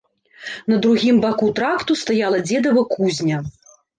На другім баку тракту стаяла дзедава кузня.